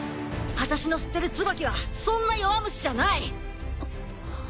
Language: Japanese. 私の知ってるツバキはそんな弱虫じゃない！